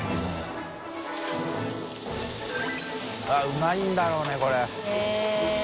◆舛うまいんだろうねこれ。えっ。